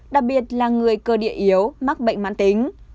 đặc biệt là người cơ địa yếu mắc bệnh mãn tính